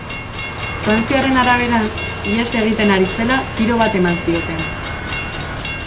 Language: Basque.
Frantziaren arabera, ihes egiten ari zela tiro bat eman zioten.